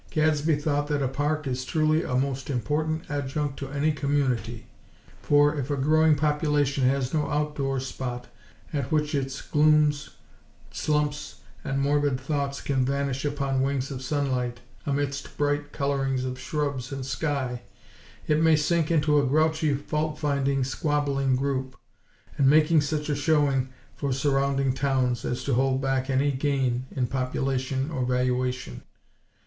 Gadsby thought that a park is truly a most important adjunct to any community; for, if a growing population has no out door spot at which its glooms, slumps and morbid thoughts can vanish upon wings of sunlight, amidst bright colorings of shrubs and sky, it may sink into a grouchy, fault finding, squabbling group; and making such a showing for surrounding towns as to hold back any gain in population or valuation.